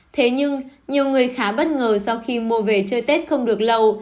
thế nhưng nhiều người khá bất ngờ sau khi mua về chơi tết không được lâu